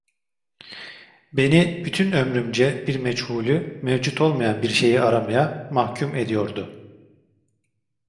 Beni, bütün ömrümce bir meçhulü, mevcut olmayan bir şeyi aramaya mahkûm ediyordu.